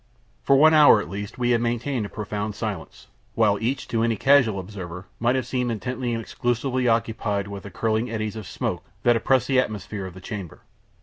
For one hour at least we had maintained a profound silence, while each, to any casual observer, might have seemed intently and exclusively occupied with the curling eddies of smoke that oppressed the atmosphere of the chamber.